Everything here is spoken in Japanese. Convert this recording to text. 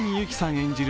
演じる